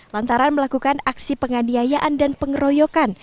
lantaran melakukan aksi penganiayaan dan pengeroyokan